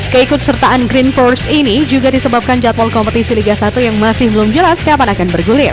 keikut sertaan green force ini juga disebabkan jadwal kompetisi liga satu yang masih belum jelas kapan akan bergulir